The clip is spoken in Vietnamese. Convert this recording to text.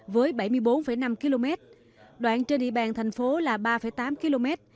với bảy mươi bốn năm km đoạn trên địa bàn thành phố là ba tám km